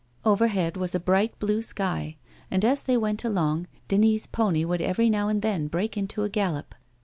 Overhead was a bright, blue sky and, as they went along, Denis' pony would every now and then break into a gallop.